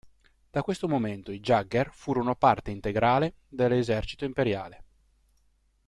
Da questo momento i Jäger furono parte integrale dell'esercito imperiale.